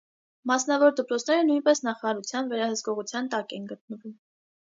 Մասնավոր դպրոցները նույնպես նախարարության վերահսկողական տակ են գտնվում։